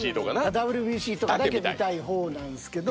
ＷＢＣとかだけ見たい方なんですけど。